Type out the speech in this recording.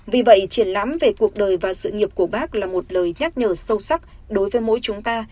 vì vậy triển lãm về cuộc đời và sự nghiệp của bác là một lời nhắc nhở sâu sắc đối với mỗi chúng ta